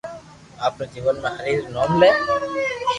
آپري جيون ۾ ھري ري نوم لي